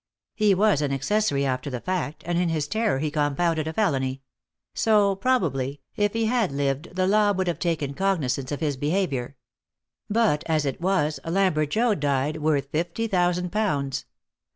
He was an accessory after the fact, and in his terror he compounded a felony; so, probably, if he had lived the law would have taken cognisance of his behaviour. But as it was, Lambert Joad died worth fifty thousand pounds.